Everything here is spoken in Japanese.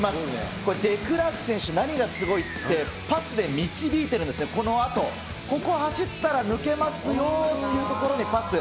これ、デクラーク選手、何がすごいってパスで導いているんですね、このあと、ここ走ったら抜けますよっていう所にパス。